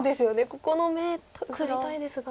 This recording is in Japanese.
ここの眼取りたいですが。